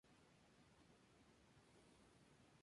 Fue redactor y colaborador de los diarios La Fusión y La Patria.